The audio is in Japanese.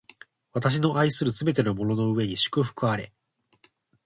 私の愛するすべてのものの上に祝福あれ！